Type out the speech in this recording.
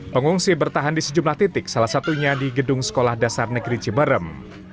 pengungsi bertahan di sejumlah titik salah satunya di gedung sekolah dasar negeri ciberem